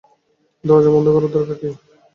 দরজা বন্ধ করার দরকার কী?